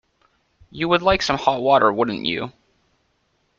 You would like some hot water, wouldn't you?